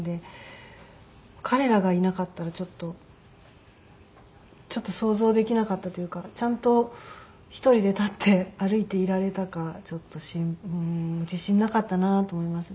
彼らがいなかったらちょっとちょっと想像できなかったというかちゃんと１人で立って歩いていられたかちょっと自信なかったなと思いますね。